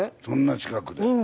そんな近くで。